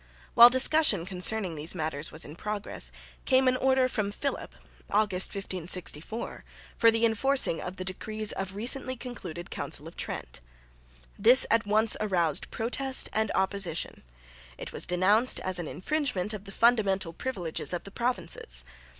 While discussion concerning these matters was in progress, came an order from Philip (August, 1564) for the enforcing of the decrees of the recently concluded Council of Trent. This at once aroused protest and opposition. It was denounced as an infringement of the fundamental privileges of the provinces.